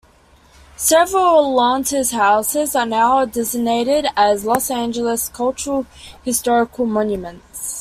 Several of Lautner's houses are now designated as Los Angeles Cultural-Historical Monuments.